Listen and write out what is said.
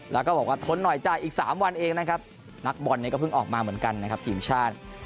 แล้วก็บอกว่าทนหน่อยจ้ะอีก๓วันเองนะครับนักบอลเนี่ยก็เพิ่งออกมาเหมือนกันนะครับทีมชาติ